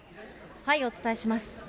お伝えします。